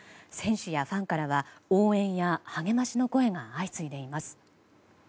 選手やファンからは応援や励ましの声が相次いでいます。